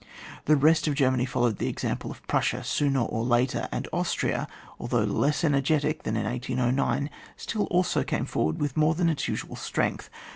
The rest of Germany followed the example of Prus sia sooner or later, and Austria, although less energetic than in 1809, still also came forward with more than its usual strength.